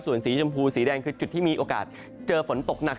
ส่วนสีชมพูสีแดงคือจุดที่มีโอกาสเจอฝนตกหนัก